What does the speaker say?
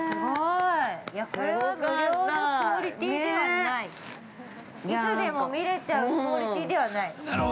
いつでも見れちゃうクオリティーではない。